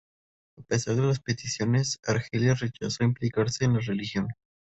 A pesar de las peticiones, Argelia rechazó implicarse en la región.